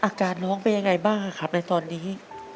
อาการน้องเป็นยังไงบ้างครับในตอนนี้